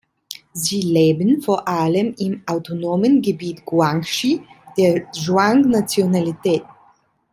Sie leben vor allem im Autonomen Gebiet Guangxi der Zhuang-Nationalität.